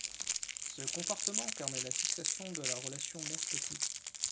Ce comportement permet la fixation de la relation mère petit.